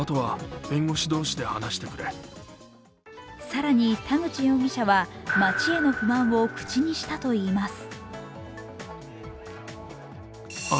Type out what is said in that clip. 更に田口容疑者は町への不満を口にしたといいます。